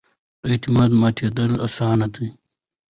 د اعتماد ماتېدل اسانه دي